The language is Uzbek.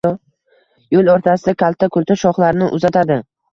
Yo’l o’rtasida kalta-kulta shoxlarini uzatadi.